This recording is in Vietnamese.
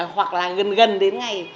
hoặc là gần gần đến ngày